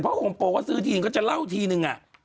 เพราะของโปก็ซื้อทีนึงก็จะเล่าทีนึงอ่ะ